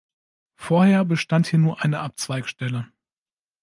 Vorher bestand hier nur eine Abzweigstelle.